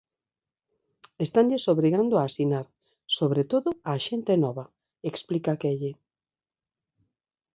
Estanlles obrigando a asinar, sobre todo á xente nova, explica Quelle.